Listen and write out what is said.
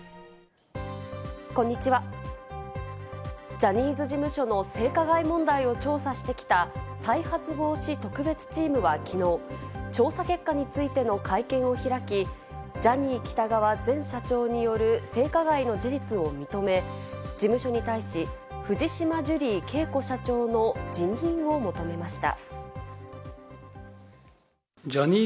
ジャニーズ事務所の性加害問題を調査してきた再発防止特別チームはきのう、調査結果についての会見を開き、ジャニー喜多川前社長による性加害の事実を認め、事務所に対し、藤島ジュリー景子社長の辞任を求めました。